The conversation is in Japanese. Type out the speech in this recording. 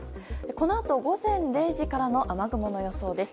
このあと午前０時からの雨雲の予想です。